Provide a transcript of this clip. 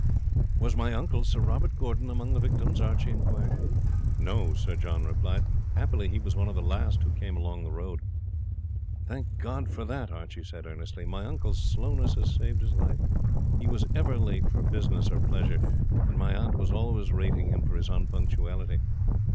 "Was my uncle, Sir Robert Gordon, among the victims?" Archie inquired. "No," Sir John replied; "happily he was one of the last who came along the road." "Thank God for that!" Archie said earnestly; "my uncle's slowness has saved his life. He was ever late for business or pleasure, and my aunt was always rating him for his unpunctuality.